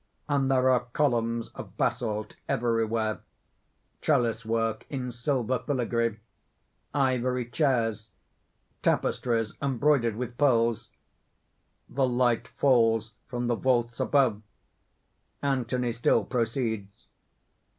And there are columns of basalt everywhere, trellis work in silver filigree, ivory chairs, tapestries embroidered with pearls. The light falls from the vaults above; Anthony still proceeds.